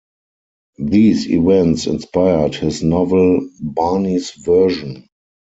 These events inspired his novel "Barney's Version".